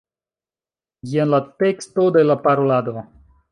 Jen la teksto de la parolado.